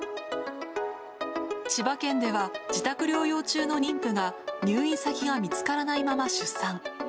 千葉県では、自宅療養中の妊婦が、入院先が見つからないまま出産。